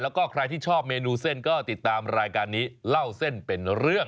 แล้วก็ใครที่ชอบเมนูเส้นก็ติดตามรายการนี้เล่าเส้นเป็นเรื่อง